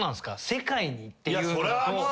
世界にっていうのだと。